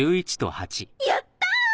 やった！